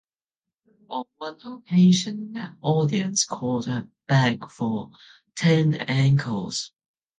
On one occasion the audience called her back for ten encores.